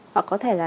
họ có thể là